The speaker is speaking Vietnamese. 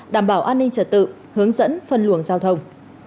đảm bảo an ninh trật tự hướng dẫn phân luồng giao thông